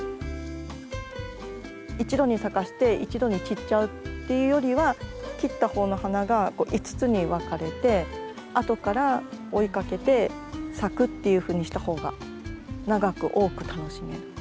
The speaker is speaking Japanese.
一度に咲かせて一度に切っちゃうっていうよりは切ったほうの花が５つに分かれてあとから追いかけて咲くっていうふうにしたほうが長く多く楽しめる。